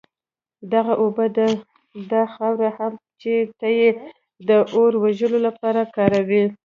دغه اوبه او دا خاوره هم چي ته ئې د اور وژلو لپاره كاروې